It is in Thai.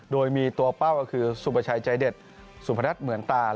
โดยมีตัวเป้าคือสุพชายใจเด็ดสุพชายเหมือนตาล